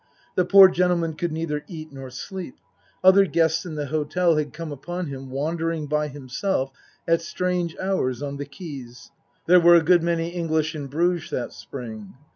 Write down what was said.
The poor gentleman could neither eat nor sleep ; other guests in the hotel had come upon him wandering by himself at strange hours on the quays. (There were a good many English in Bruges that spring.)